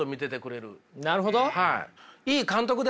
なるほど。